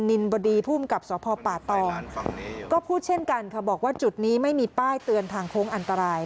ินบดีภูมิกับสพป่าตองก็พูดเช่นกันค่ะบอกว่าจุดนี้ไม่มีป้ายเตือนทางโค้งอันตราย